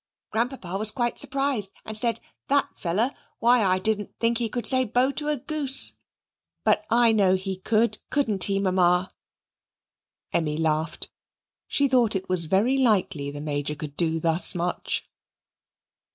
Grandpapa was quite surprised, and said, 'THAT feller! Why, I didn't think he could say Bo to a goose' but I know he could, couldn't he, Mamma?" Emmy laughed: she thought it was very likely the Major could do thus much.